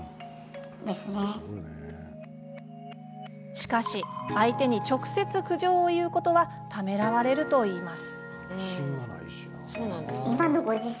しかし相手に直接、苦情を言うことはためらわれるといいます。